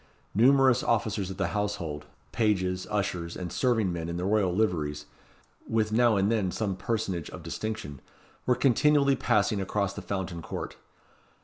Numerous officers of the household, pages, ushers, and serving men in the royal liveries, with now and then some personage of distinction, were continually passing across the Fountain Court.